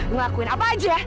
ngelakuin apa aja